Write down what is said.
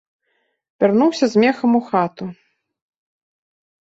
Вярнуўся з мехам у хату.